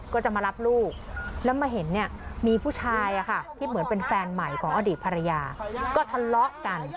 ก็จะมารับลูกแล้วมาเห็นเนี่ยมีผู้ชายที่เหมือนเป็นแฟนใหม่ของอดีตภรรยาก็ทะเลาะกัน